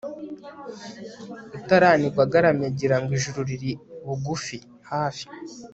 utaranigwa agaramye agira ngo ijuru riri bugufi (hafi)